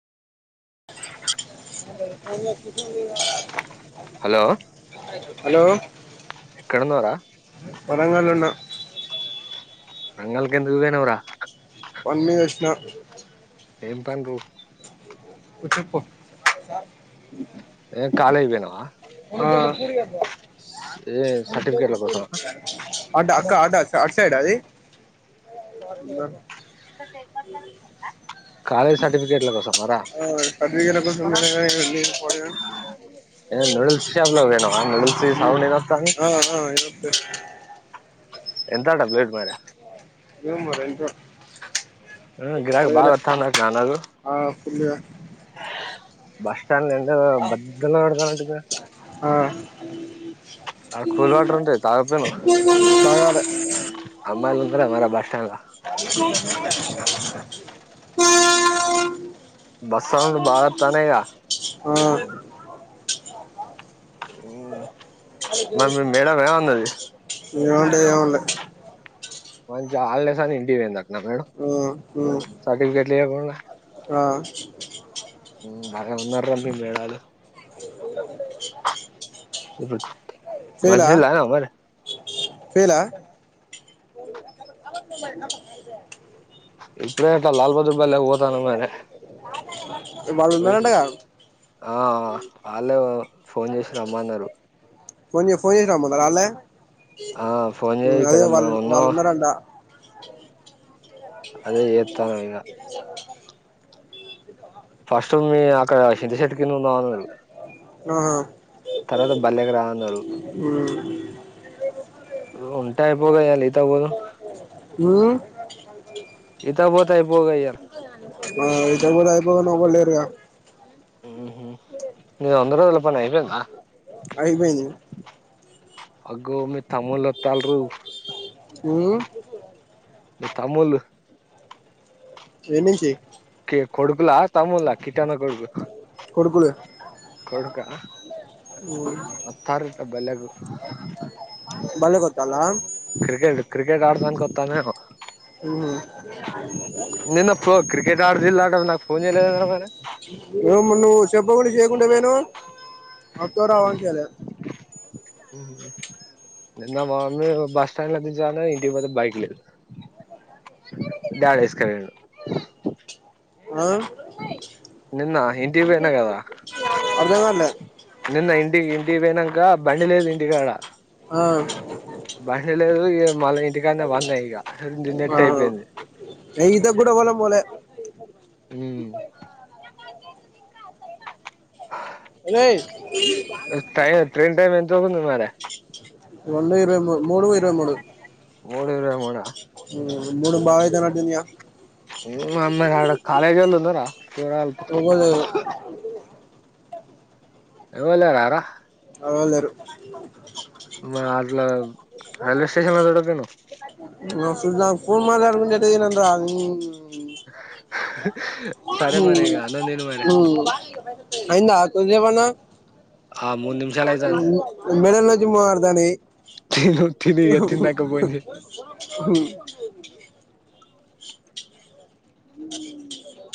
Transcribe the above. అ [inaudible] hello hello ఎక్కడున్నావురా వరంగల్లో ఉన్నా వరంగల్ కు ఎందుకు పోయినవ్ రా పని మీద వచ్చిన ఏం పని రో నువ్వు చెప్పు ఏం కాలేజీకు పోయినవ [inaudible] కోసం అంట [unintelligible] అటు సైడా అది కాలేజ సర్టిఫికెట్ల కొసమ ఆ ఒ సర్టీ [inaudible] ఏ నూడిల్స్ షాప్లోకీ పోయినవా నూడిల్స్ సి ఉమ్. సౌండ్ ఎదో వస్థాంది ఆ, ఆ, ఏం లేదు. ఎంతంట ప్లేట్ మరి ఏమో మరి ఎంతో ఆ గిరాకి బాగా వతాన్నాక అనూ [unintelligible] బస్ [unintelligible] బద్ద పెడతా ఆ, అడ కూల్ వాటర్ ఉంటాయి తాగపోను తాగాలే అమ్మాయిలు మ మ బస్టాండ్లా బస్ సౌండ్ బాగా వస్తనిగా ఆ మ మేడం ఏ అన్నది ఏమంటాది ఏమనలే మంచి హాలిడేస్లో ఇంటికీ పోయింది అ మేడం ఆ, ఉమ్, సర్టిఫికెట్ లే ఆ ఆ మ్ బాగా ఉన్న మేడాలు ఇరుజ మంచి నీళ్ళు తగినవా మరి ఫేలా ఇప్పుడే ఒక లాల్బదార్ ళ పోతాను మర వాళ్ళు ఉన్నారంటగా ఆ అళ ఫోన్ చేసి రమ్మన్నారు ఫోన్ ఫోన్ చేసి రమన్నారా ఆల్లే ఆ ఫోన్ జెయి ఇక్కడ మేమూన్నాం వాళ్ళు ఉన్నారంట అదే చేతనైమిగా ఫస్ట్ మీ అక్కడ చింత చెట్టు కి ద ఉన్నామన్నారు ఆహా తర్వాత బల్లెకి రా అన్నారు [inaudible] ఉంటా అయిపోగా ఇయాల ఈతకుపోదు మ్మ్ [inaudible] ఇతాకు పోతయిపోగా ఇయ్యల ఈతకు పోతే అయిపోవ్ గాని ఎవ్వలేరుగా ఉహు నీ వంద రోజుల పనే అయిపోయిందా అయిపోయింది అగ్గో మీ తమ్ముళ్ళు అత్తల్రో ఊమ్ మీ తమ్ముళ్ళు ఏనుంచి కి కొడుకులా తమ్ముల్లా కిట్టన్న కొడుకులు కొడుకులు కొడుకా వత్తారు ఇక బల్లెకు బళ్ళకొత్తాల్ల క్రికెట్ క్రికెట్ ఆడదానికి వతందేమో ఉమ్మ్ నేన్నప్పు క్రికెట్ ఆడదిల్ ఆడ నాకు ఫోన్ చెయ్యలేదు ఎందిరా మరి ఏం నువ్వు చెప్పా కుండ చెయ్య కుండ పోయినావ్ అత్తవో రావో అని చెయ్యలే నిన్న మా మమ్మీ బస్ స్టాండ్లో దించుదాం అంటే ఇంటికి పోతే బైక్ లేదు డాడీ ఎసుకపోయిండు ఆ ఇంటికి పోయినా కదా అర్థంకాలే నిన్న ఇంటికి ఇంటికి బోయినాంక బండి లేదు ఇంటికాడ ఆ బండి లేదు ఇగ మళ్ళీ ఇంటికాన్నె పన్న ఇగ ఆ నెట్ అయిపోయింది ఈతకు కూడా పొలం పోలే ఉమ్ [unintelligible] [unintelligible] ఒరేయ్ టైం ట్రైన్ టైం ఎంతవుతుంది మరి ఇరవై మూ మూడు ఇరవై మూడు మూడు ఇరవై మూడా ఉమ్మ్ మూడుంభావ్ అయ్యితున్నట్ ఉందిగా ఉమ్ అందగాడు కాలేజ్ వోలు ఉన్నారా పోరాగాళ్లు ఎవ్వరు ఎవల్ లేరా రా ఎవల్ లేరు మరి అట్లా రేల్వే స్టేషన్లో చూడక పోయినావ్ ఇంట్లో ఫోన్ మాట్లాడుకుంటుంటే వినండి రా నీ సరే మరి ఇగ అన్నం తిను మరి అయ్యిందా కొన్సేపనా ఆ మూడు నిమిషాలు అయితాంది మెడలోంచి మొదుతోన్నై తిను తిను ఇగ తిన్నాక ఫోన్ చెయ్